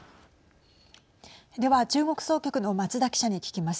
では、中国総局の松田記者に聞きます。